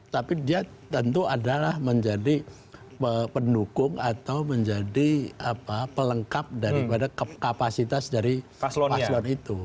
tapi dia tentu adalah menjadi pendukung atau menjadi pelengkap daripada kapasitas dari paslon itu